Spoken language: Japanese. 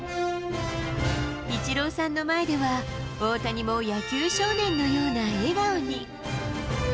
イチローさんの前では、大谷も野球少年のような笑顔に。